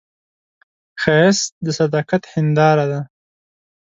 ښایست د صداقت هنداره ده